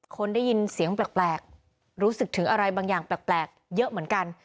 คนได้ยินเสียงแปลกรู้สึกถึงอะไรบางอย่างแปลกเยอะเหมือนกัน